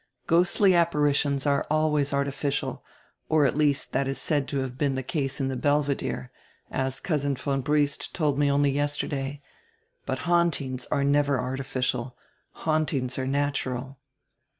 Ghostly apparitions are always artificial, or at least that is said to have been the case in the Belvedere, as Cousin von Briest told me only yesterday, hut hauntings are never artificial; hauntings are natural."